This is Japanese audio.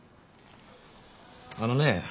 あのね